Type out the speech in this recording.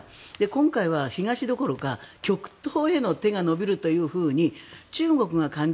今回は東どころか極東への手が伸びるというふうに中国が感じ